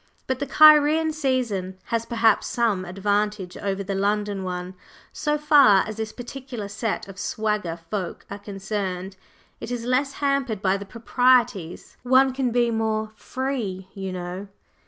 But the Cairene season has perhaps some advantage over the London one so far as this particular set of "swagger" folk are concerned it is less hampered by the proprieties. One can be more "free," you know!